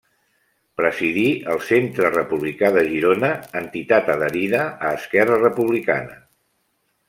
Presidí el Centre Republicà de Girona, entitat adherida a Esquerra Republicana.